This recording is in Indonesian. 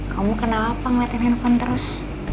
kamu kenapa ngeliatin handphone terus